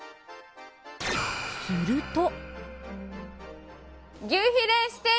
すると。